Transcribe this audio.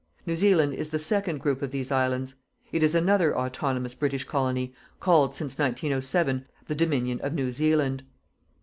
New Zealand is the second group of these Islands. It is another autonomous British colony, called, since 1907 "THE DOMINION OF NEW ZEALAND".